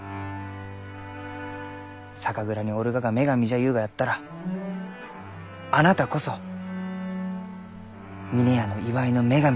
酒蔵におるがが女神じゃゆうがやったらあなたこそ峰屋の祝いの女神じゃき。